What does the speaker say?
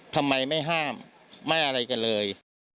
ทำไมไม่ห้ามไม่อะไรกันเลย